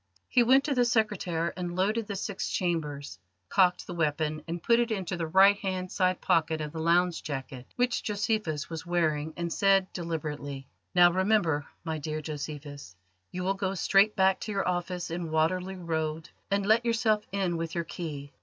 He went to the secretaire and loaded the six chambers, cocked the weapon and put it into the right hand side pocket of the lounge jacket which Josephus was wearing, and said deliberately: "Now remember, my dear Josephus: you will go straight back to your office in Waterloo Road and let yourself in with your key.